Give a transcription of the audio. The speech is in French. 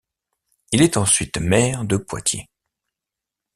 Il est ensuite maire de Poitiers.